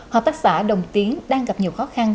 hợp tác xã đồng tiến đang gặp nhiều khó khăn